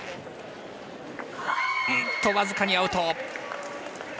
僅かにアウト。